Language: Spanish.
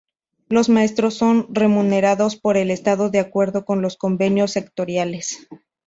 Los maestros son remunerados por el Estado de acuerdo con los convenios sectoriales.